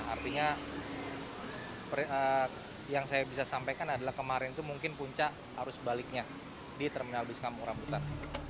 artinya yang saya bisa sampaikan adalah kemarin itu mungkin puncak arus baliknya di terminal bus kampung rambutan